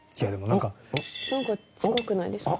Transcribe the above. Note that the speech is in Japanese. なんか近くないですか？